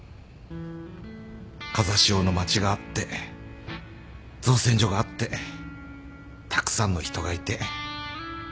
風汐の町があって造船所があってたくさんの人がいて